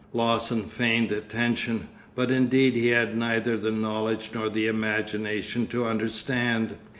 Lawson feigned attention, but indeed he had neither the knowledge nor the imagination to understand.